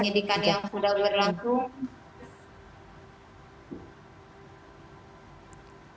penyidikan yang sudah berlangsung